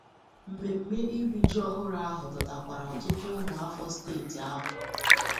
Mmemme iri ji ọhụrụ ahụ dọtàkwàrà ọtụtụ ụmụafọ steeti ahụ